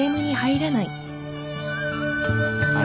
あれ？